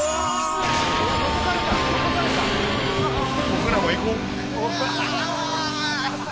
僕らも行こう。